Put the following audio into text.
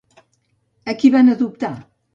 A qui van adoptar?